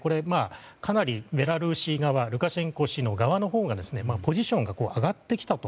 かなり、ベラルーシ側ルカシェンコ氏の側のほうがポジションが上がってきたと。